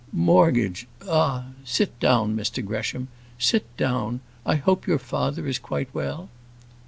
"Mortgage ah, sit down, Mr Gresham; sit down. I hope your father is quite well?"